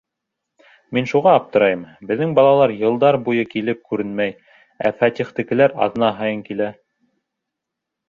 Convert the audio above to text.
Мин шуға аптырайым: беҙҙең балалар йылдар буйы килеп күренмәй, ә Фәтихтекеләр аҙна һайын килә.